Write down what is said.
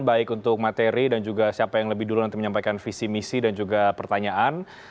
baik untuk materi dan juga siapa yang lebih dulu nanti menyampaikan visi misi dan juga pertanyaan